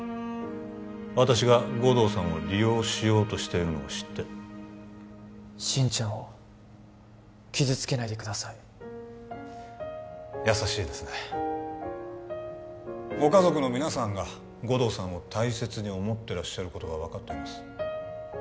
私が護道さんを利用しようとしているのを知って心ちゃんを傷つけないでください優しいですねご家族の皆さんが護道さんを大切に思ってらっしゃることは分かっています